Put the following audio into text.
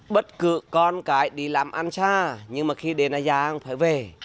bất cứ con cái đi làm ăn cha nhưng mà khi đến là giàng phải về